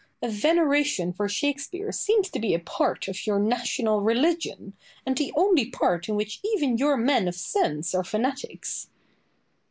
A veneration for Shakespeare seems to be a part of your national religion, and the only part in which even your men of sense are fanatics.